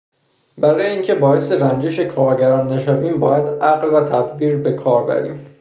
برای اینکه باعث رنجش کارگران نشویم باید عقل و تدبیر به کار بریم.